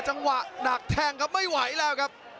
จังหวะดักแทงครับไม่ไหวแล้วครับ